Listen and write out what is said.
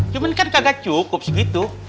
cuman kan kagak cukup segitu